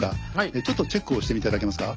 ちょっとチェックをしていただけますか。